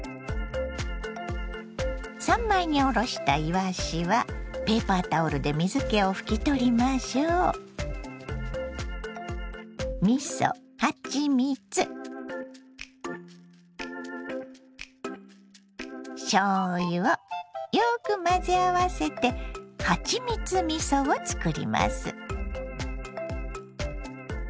３枚におろしたいわしはペーパータオルで水けを拭き取りましょ。をよく混ぜ合わせてはちみつみそを作ります。